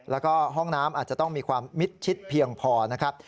แล้วก็ห้องน้ำอาจจะต้องมีความมิดชิดเพียงพอนะครับ